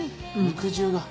肉汁が。